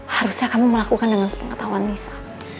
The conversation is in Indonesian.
harusnya kamu melakukan dengan sepengetahuan nisa